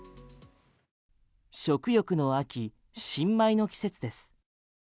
食欲の秋、新米の季節です。